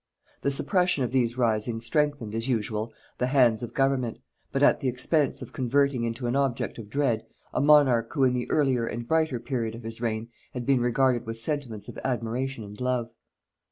The suppression of these risings strengthened, as usual, the hands of government, but at the expense of converting into an object of dread, a monarch who in the earlier and brighter period of his reign had been regarded with sentiments of admiration and love.